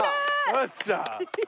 よっしゃ！